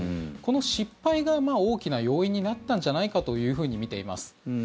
この失敗が大きな要因になったんじゃないかとみてます。